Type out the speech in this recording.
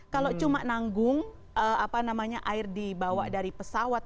kalau cuma nanggung air dibawa dari pesawat